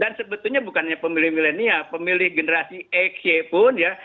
dan sebetulnya bukan hanya pemilih milenial pemilih generasi x y pun ya